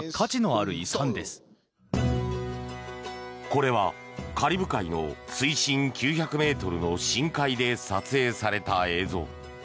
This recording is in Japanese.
これは、カリブ海の水深９００ｍの深海で撮影された映像。